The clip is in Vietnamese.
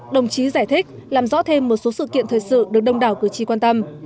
đồng chí giải thích làm rõ thêm một số sự kiện thời sự được đông đảo cử tri quan tâm